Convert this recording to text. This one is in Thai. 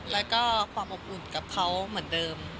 แล้วก็ความอบอุ่นกับเขาเหมือนเดิม